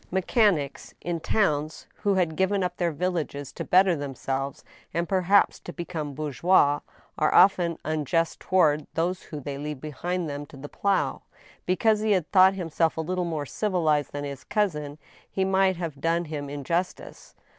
Mechanics, in towns, who have given up their villages to belter themselves, and perhaps to become bourgeois ^ are often unjust to ward those whom they leave behind them to the plow. Because he had thought himself a little more civilized than his cousin, he might have done him injustice.